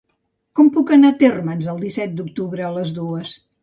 Com puc anar a Térmens el disset d'octubre a les dues?